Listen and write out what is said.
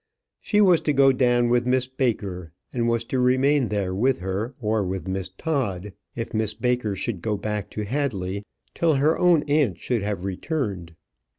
She was to go down with Miss Baker; and was to remain there with her, or with Miss Todd if Miss Baker should go back to Hadley, till her own aunt should have returned.